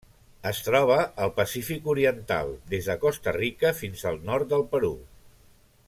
Es troba al Pacífic oriental: des de Costa Rica fins al nord del Perú.